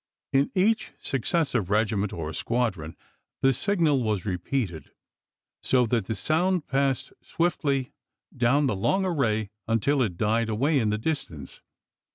In each successive regiment or squadron the signal was repeated, so that the sound passed swiftly down the long array until it died away in the distance.